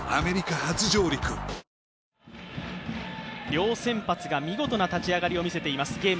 両先発が見事な立ち上がりを見せています。